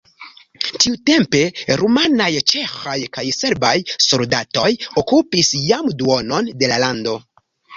Tiutempe rumanaj, ĉeĥaj kaj serbaj soldatoj okupis jam duonon de la lando.